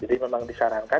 jadi memang disarankan